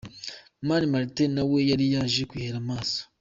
Mani Martin nawe yari yaje kwihera amaso.